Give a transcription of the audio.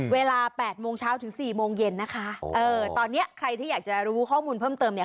เวลาแปดโมงเช้าถึงสี่โมงเย็นนะคะเออตอนเนี้ยใครที่อยากจะรู้ข้อมูลเพิ่มเติมเนี่ย